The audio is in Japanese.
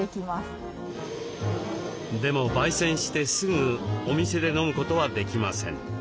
でもばい煎してすぐお店で飲むことはできません。